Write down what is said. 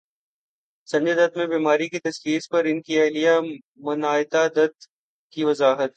سنجے دت میں بیماری کی تشخیص پر ان کی اہلیہ منائتا دت کی وضاحت